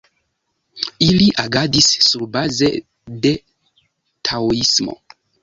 Ili agadis surbaze de taoismo.